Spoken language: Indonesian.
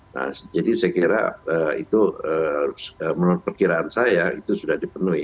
nah jadi saya kira itu menurut perkiraan saya itu sudah dipenuhi